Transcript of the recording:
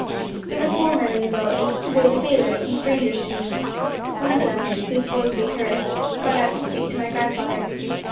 There were four men in the boat. They were sailors, and strangers to me. One of them, the one whose voice we had heard, got out to speak to my grandfather.